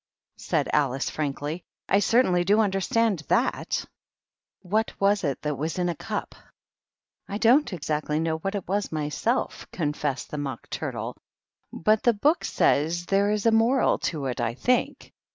said Alice, frankly, " I certainly do understand that What was it that was in a cuf "I don't exactly know what it was mysel confessed the Mock Turtle; "but the book sj there is a moral to it, I think.